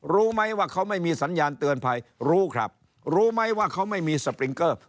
รู้ไหมว่าเขาไม่มีสัญญาณเตือนภัยรู้ครับรู้ไหมว่าเขาไม่มีสปริงเกอร์